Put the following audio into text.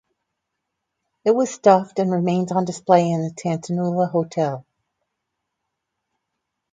It was stuffed and remains on display in the Tantanoola Hotel.